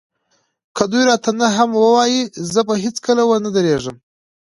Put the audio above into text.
که دوی راته نه هم ووايي زه به هېڅکله ونه درېږم.